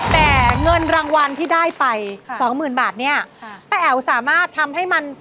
แต่เงินรางวัลที่ได้ไปสองหมื่นบาทเนี่ยป้าแอ๋วสามารถทำให้มัน